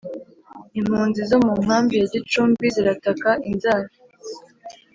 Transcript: Impunzi zo munkambi ya Gicumbi zirataka inzara